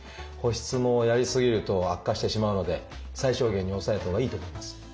保湿もやり過ぎると悪化してしまうので最小限に抑えたほうがいいと思います。